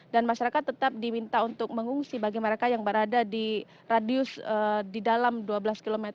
dan masyarakat tetap diminta untuk mengungsi bagi mereka yang berada di radius di dalam dua belas km